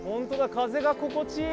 風が心地いい！